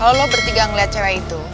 kalo lo bertiga ngeliat cewek itu